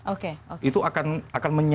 oke itu akan